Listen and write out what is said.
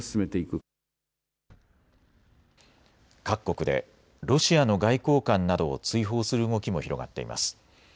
各国でロシアの外交官などを追放する動きも広がっています。